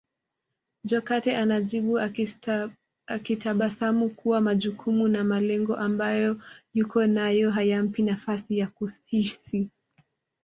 Jokate anajibu akitabasamu kuwa majukumu na malengo ambayo yuko nayo hayampi nafasi ya kuhisi